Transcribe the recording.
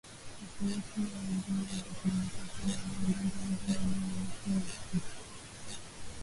Washirika wa Nguvu za Kidemokrasia ni wanamgambo wa Uganda ambao wamekuwa wakiendesha harakati zao mashariki mwa Kongo